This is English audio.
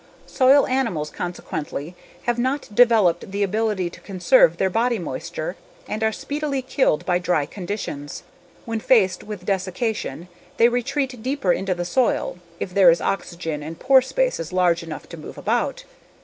Soil animals consequently have not developed the ability to conserve their body moisture and are speedily killed by dry conditions. When faced with desiccation they retreat deeper into the soil if there is oxygen and pore spaces large enough to move about.